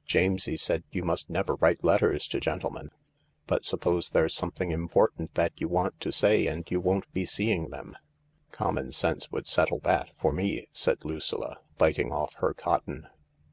" Jamesie said you must never write letters to gentlemen ; but suppose there's something important that you want to say and you won't be seeing them ?"" Common sense would settle that— for me," said Lucilla, biting off her cotton.